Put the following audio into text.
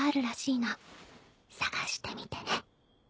探してみてね。